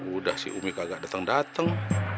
udah si umi kagak dateng dateng